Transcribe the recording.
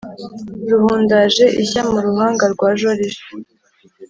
Ruhundaje ishya mu ruhanga rwa joriji